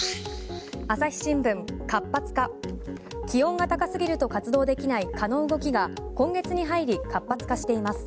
朝日新聞、活発化気温が高すぎると活動できない蚊の動きが今月に入り活発化しています。